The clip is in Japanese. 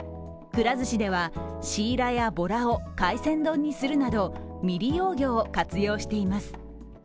くら寿司ではシイラやボラを海鮮丼にするなど未利用魚を活用しています。